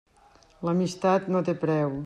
L'amistat no té preu.